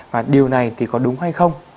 và điều này thì có đúng hay không